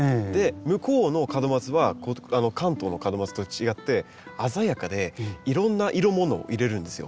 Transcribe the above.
向こうの門松は関東の門松と違って鮮やかでいろんな色ものを入れるんですよ。